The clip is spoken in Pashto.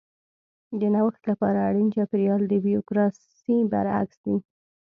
د نوښت لپاره اړین چاپېریال د بیوروکراسي برعکس دی.